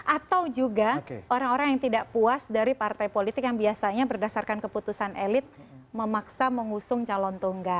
atau juga orang orang yang tidak puas dari partai politik yang biasanya berdasarkan keputusan elit memaksa mengusung calon tunggal